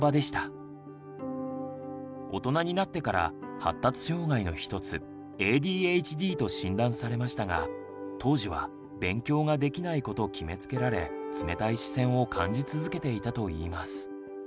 大人になってから発達障害の一つＡＤＨＤと診断されましたが当時は「勉強ができない子」と決めつけられ冷たい視線を感じ続けていたといいます。